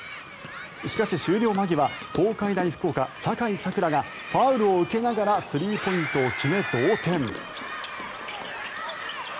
しかし、終了間際東海大福岡の境さくらがファウルを受けながらスリーポイントを決め、同点。